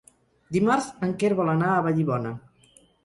Dimarts en Quer vol anar a Vallibona.